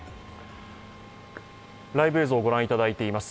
ライブ映像をご覧いただいています。